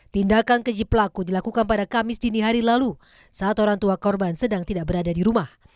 tindakan keji pelaku dilakukan pada kamis dini hari lalu saat orang tua korban sedang tidak berada di rumah